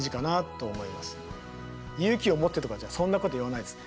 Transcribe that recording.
勇気を持ってとかじゃそんなこと言わないです。